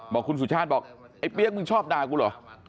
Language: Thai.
บอกคุณสุชาติบอกไอ้เปี๊ยกมึงชอบด่ากูเหรอ